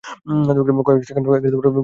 কয়েক সেকেন্ড সময় দাও!